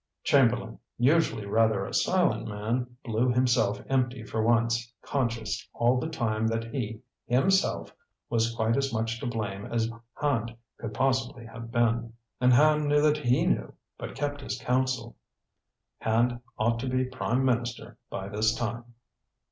Chamberlain, usually rather a silent man, blew himself empty for once, conscious all the time that he, himself, was quite as much to blame as Hand could possibly have been. And Hand knew that he knew, but kept his counsel. Hand ought to be prime minister by this time.